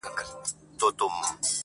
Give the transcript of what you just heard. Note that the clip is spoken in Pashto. سره غرمه وه لار اوږده بټي بیابان وو٫